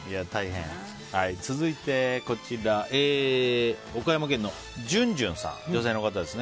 続いて、岡山県の女性の方です。